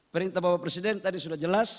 perintah bapak presiden tadi sudah jelas